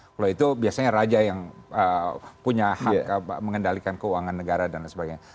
kalau itu biasanya raja yang punya hak mengendalikan keuangan negara dan lain sebagainya